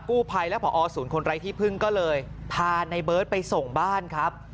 ภัยและผอศูนย์คนไร้ที่พึ่งก็เลยพาในเบิร์ตไปส่งบ้านครับ